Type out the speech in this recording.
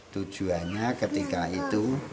tujuannya ketika itu